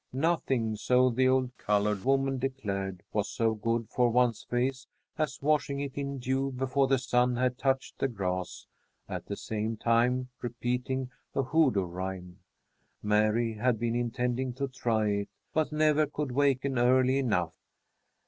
Nothing, so the old colored woman declared, was so good for one's face as washing it in dew before the sun had touched the grass, at the same time repeating a hoodoo rhyme. Mary had been intending to try it, but never could waken early enough.